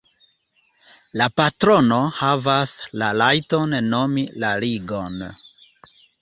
La patrono havas la rajton nomi la ligon.